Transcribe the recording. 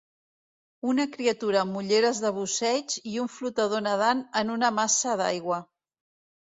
Una criatura amb ulleres de busseig i un flotador nedant en una massa d'aigua.